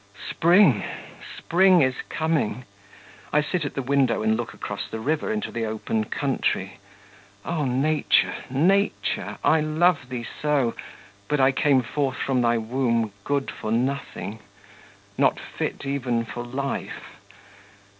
Spring, spring is coming! I sit at the window and look across the river into the open country. O nature! nature! I love thee so, but I came forth from thy womb good for nothing not fit even for life.